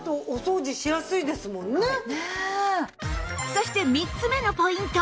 そして３つ目のポイント